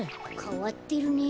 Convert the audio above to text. かわってるね。